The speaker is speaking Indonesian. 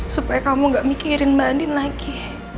supaya kamu gak mikirin mbak andin lagi